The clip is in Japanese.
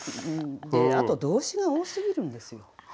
あと動詞が多すぎるんですよ。